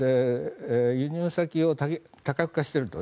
輸入先を多角化していると。